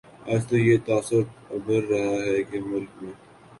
آج تو یہ تاثر ابھر رہا ہے کہ ملک میں